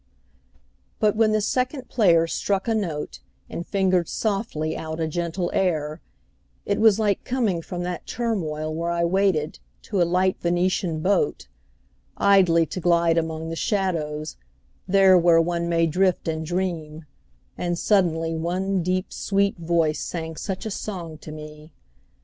II. But when the second player struck a note And fingered softly out a gentle air It was like coming from that turmoil where I waited, to a light Venetian boat, Idly to glide among the shadows, there Where one may drift and dream; and suddenly One deep sweet voice sang such a song to me.